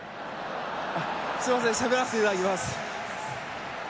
すみませんしゃべらせていただきます。